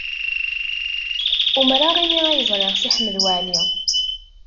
Umreɣ imi ay ẓriɣ Si Ḥmed Waɛli.